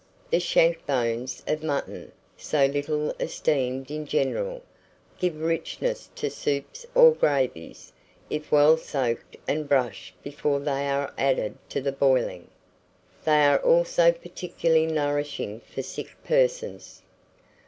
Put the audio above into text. The shank bones of mutton, so little esteemed in general, give richness to soups or gravies, if well soaked and brushed before they are added to the boiling. They are also particularly nourishing for sick persons.